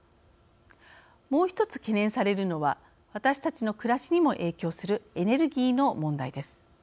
もう一つ懸念されるのは私たちの暮らしにも影響するエネルギーの問題です。